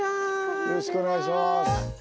よろしくお願いします。